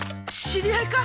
知り合いか？